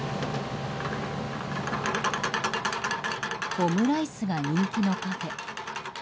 オムライスが人気のカフェ。